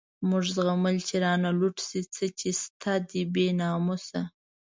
موږ زغمل چی رانه لوټ شی، څه چی شته دی بی ناموسه